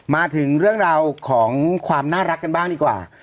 มาถึงเรื่องราวของความน่ารักกันบ้างดีกว่า